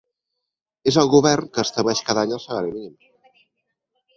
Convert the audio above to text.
És el govern que estableix cada any el salari mínim.